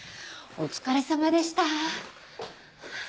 お疲れさまでした。